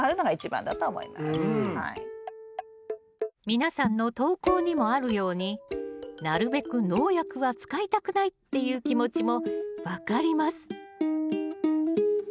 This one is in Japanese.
皆さんの投稿にもあるように「なるべく農薬は使いたくない」っていう気持ちも分かります